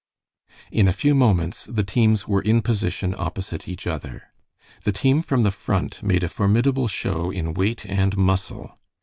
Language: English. In a few moments the teams were in position opposite each other. The team from the Front made a formidable show in weight and muscle.